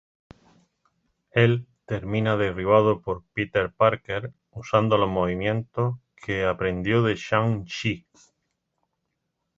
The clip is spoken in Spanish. Él termina derribado por Peter Parker usando los movimientos que aprendió de Shang-Chi.